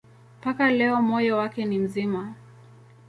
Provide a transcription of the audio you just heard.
Mpaka leo moyo wake ni mzima.